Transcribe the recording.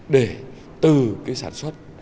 để từ cái sản xuất